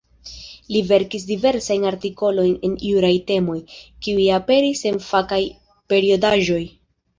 Li verkis diversajn artikolojn en juraj temoj, kiuj aperis en fakaj periodaĵoj.